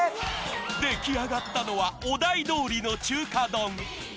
出来上がったのはお題通りの中華丼